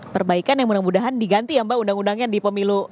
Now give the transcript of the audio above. perbaikan yang mudah mudahan diganti ya mbak undang undangnya di pemilu